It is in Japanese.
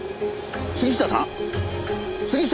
杉下さん？